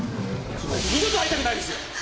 二度と会いたくないですよ！